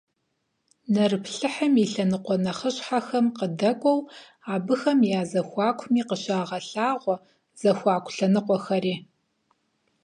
Нэрыплъыхьым и лъэныкъуэ нэхъыщхьэхэм къыдэкӀуэу абыхэм я зэхуакуми къыщагъэлъагъуэ зэхуаку лъэныкъуэхэри.